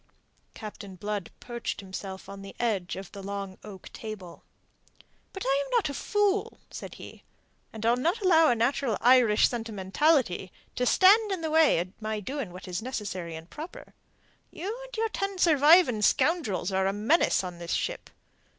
Captain Blood perched himself on the edge of the long oak table. "But I am not a fool," said he, "and I'll not allow a natural Irish sentimentality to stand in the way of my doing what is necessary and proper. You and your ten surviving scoundrels are a menace on this ship.